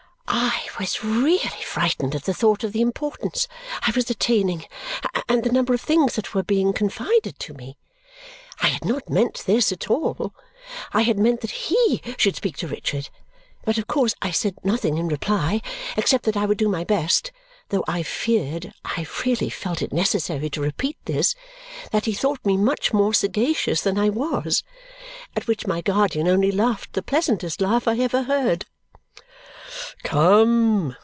I really was frightened at the thought of the importance I was attaining and the number of things that were being confided to me. I had not meant this at all; I had meant that he should speak to Richard. But of course I said nothing in reply except that I would do my best, though I feared (I really felt it necessary to repeat this) that he thought me much more sagacious than I was. At which my guardian only laughed the pleasantest laugh I ever heard. "Come!"